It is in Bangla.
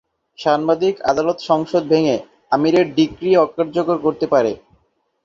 সাংবিধানিক আদালত সংসদ ভেঙে আমিরের ডিক্রি অকার্যকর করতে পারে।